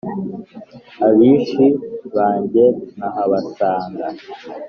abishi bange nkahabasanga